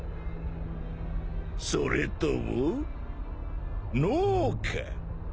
それとも脳か？